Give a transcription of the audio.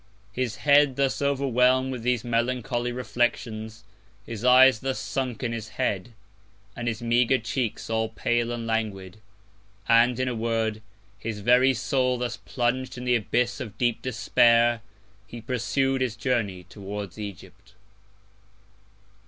His Head thus overwhelm'd with these melancholy Reflections, his Eyes thus sunk in his Head, and his meagre Cheeks all pale and languid; and, in a Word, his very Soul thus plung'd in the Abyss of deep Despair, he pursu'd his Journey towards Egypt.